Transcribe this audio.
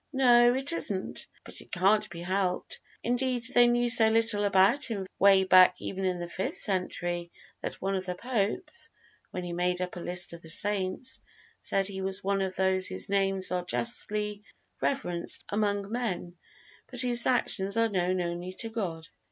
"No, it isn't; but it can't be helped. Indeed, they knew so little about him way back even in the fifth century, that one of the popes, when he made up a list of the saints, said 'he was one of those whose names are justly reverenced among men, but whose actions are known only to God.'"